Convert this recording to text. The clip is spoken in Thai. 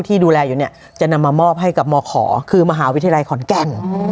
ที่ดูแลอยู่เนี่ยจะนำมามอบให้กับมขคือมหาวิทยาลัยขอนแก่น